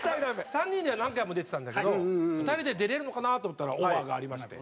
３人では何回も出てたんだけど２人で出れるのかなと思ったらオファーがありまして。